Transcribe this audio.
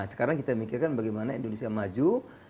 sekarang kita mikirkan bagaimana indonesia maju